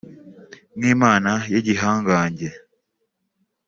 nk’Imana y’igihangange